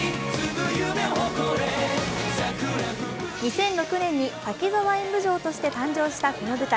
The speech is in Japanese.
２００６年に「滝沢演舞城」として誕生したこの舞台。